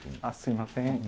あっすいません。